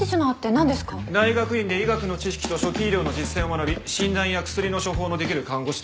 大学院で医学の知識と初期医療の実践を学び診断や薬の処方のできる看護師です。